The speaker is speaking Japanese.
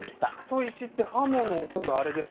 砥石って刃物を研ぐあれですか？